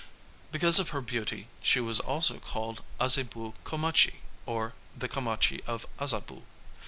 Because of her beauty she was also called Azabu Komachi, or the Komachi of Azabu.